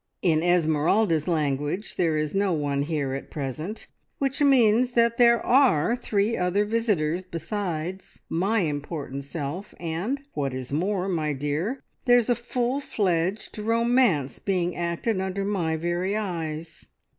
"In Esmeralda's language, there is no one here at present, which means that there are three other visitors besides my important self, and, what is more, my dear, there's a full fledged romance being acted under my very eyes.